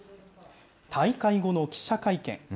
大会後の記者会見。